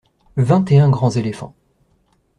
Vingt et un grands éléphants.